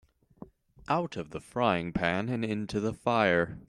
Out of the frying pan into the fire.